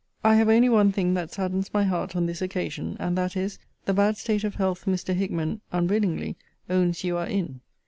I have only one thing that saddens my heart on this occasion; and that is, the bad state of health Mr. Hickman (unwillingly) owns you are in.